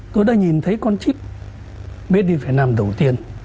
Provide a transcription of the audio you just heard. tôi đã nhìn thấy con chip bd việt nam đầu tiên